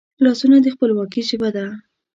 لاسونه د خپلواکي ژبه ده